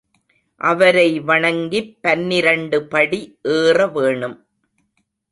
அவரை வணங்கிப் பன்னிரண்டு படி ஏற வேணும்.